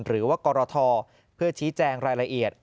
หรือว่ากรทเพื่อชี้แจงรายละเอียด